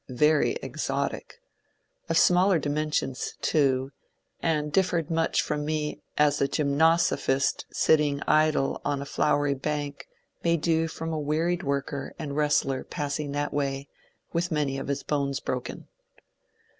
Very exotic; of smaller dimen sions, too, and differed much from me as a gymnosophist sit ting idle on a flowery bank may do from a wearied worker and wrestler passing that way with many of his bones broken.